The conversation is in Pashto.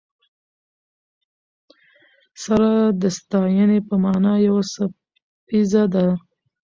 سره د ستاینې په مانا یو څپیزه ده.